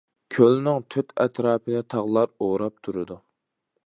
كۆلنىڭ تۆت ئەتراپىنى تاغلار ئوراپ تۇرىدۇ.